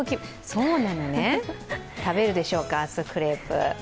そうなのね、食べるでしょうか、明日クレープ？